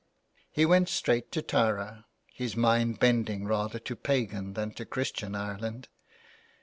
He went straight to Tara, his mind bending rather to pagan than to Christian Ireland.